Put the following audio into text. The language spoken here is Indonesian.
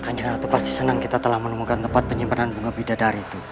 kanjaran itu pasti senang kita telah menemukan tempat penyimpanan bunga bidadari itu